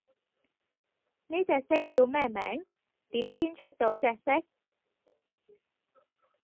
呢隻色叫咩名？點先出到隻色？